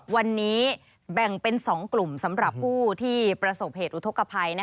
วันนี้แบ่งเป็น๒กลุ่มสำหรับผู้ที่ประสบเหตุอุทธกภัย